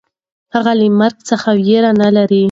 هغه له مرګ څخه وېره نهلري.